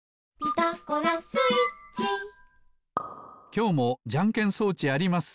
きょうもじゃんけん装置あります。